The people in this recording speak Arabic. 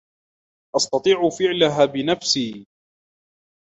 أستطيع فعلها بنفسي.